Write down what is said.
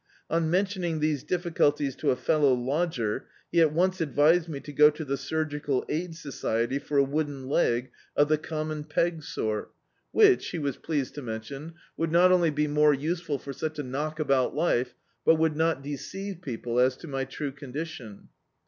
On mentioning these difficulties to a fellow lodger, he. at once advised me to go to the Surgical Aid So ciety for a wooden leg, of the common peg sort; D,i.,.db, Google The Ark which, he was pleased to mention, would not cmly be more useful for such a knockabout life, but would not deceive people as w my true conditicm.